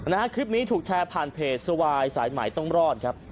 นะฮะคลิปนี้ถูกแชร์ผ่านเพจสวายสายใหม่ต้องรอดครับ